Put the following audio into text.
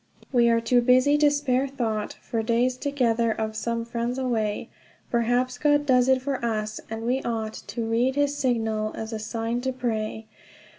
We are too busy to spare thought For days together of some friends away; Perhaps God does it for us and we ought To read his signal as a sign to pray.